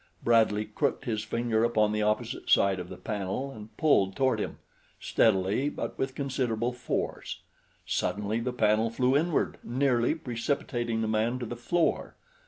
Bradley crooked his finger upon the opposite side of the panel and pulled toward him, steadily but with considerable force. Suddenly the panel flew inward, nearly precipitating the man to the floor.